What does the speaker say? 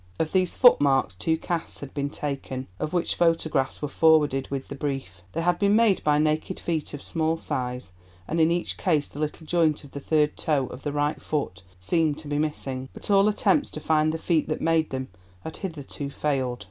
Of these footmarks two casts had been taken, of which photographs were forwarded with the brief. They had been made by naked feet of small size, and in each case the little joint of the third toe of the right foot seemed to be missing. But all attempts to find the feet that made them had hitherto failed.